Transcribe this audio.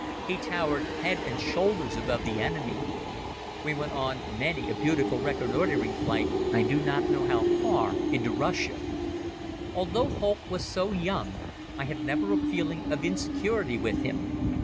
He towered head and shoulders above the enemy. We went on many a beautiful reconnoitering flight I do not know how far into Russia. Although Holck was so young I had never a feeling of insecurity with him.